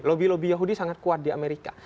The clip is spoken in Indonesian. lobby lobby yahudi sangat kuat di amerika